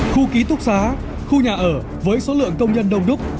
khu ký túc xá khu nhà ở với số lượng công nhân đông đúc